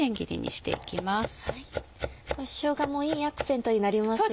しょうがもいいアクセントになりますよね。